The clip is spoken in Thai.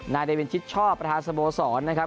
เดวินชิดชอบประธานสโมสรนะครับ